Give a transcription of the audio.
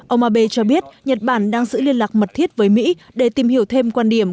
ông abe cho biết nhật bản đang giữ liên lạc mật thiết với mỹ để tìm hiểu thêm quan điểm